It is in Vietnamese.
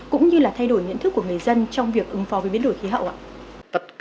cũng như là thay đổi nhận thức của người dân trong việc ứng phó với biến đổi khí hậu ạ